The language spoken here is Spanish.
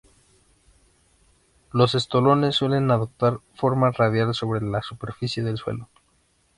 Los estolones suelen adoptar forma radial sobre la superficie del suelo.